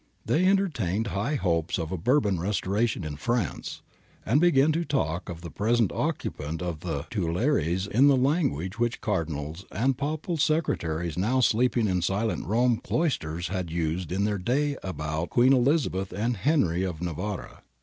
They entertained high hopes of a Bourbon restoration in France, and began to talk of the present occupant of the Tuileries in the language which Cardinals and Papal Secretaries now sleeping in silent Roman cloisters had used in their day about Queen Elizabeth and Henry of Navarre.